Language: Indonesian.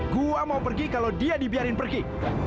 gua mau pergi kalau dia dibiarin pergi